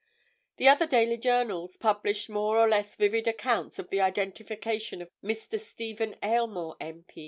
The other daily journals published more or less vivid accounts of the identification of Mr. Stephen Aylmore, M.P.